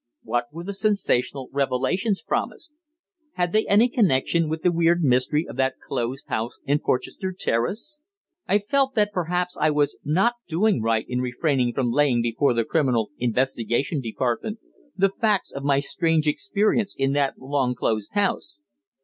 What were the "sensational revelations" promised? Had they any connection with the weird mystery of that closed house in Porchester Terrace? I felt that perhaps I was not doing right in refraining from laying before the Criminal Investigation Department the facts of my strange experience in that long closed house.